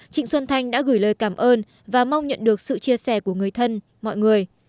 trịnh xuân thanh đã gửi lời cảm ơn và mong nhận được sự chia sẻ của người thân mọi người